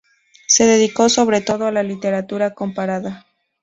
Se dedicó sobre todo a la Literatura comparada.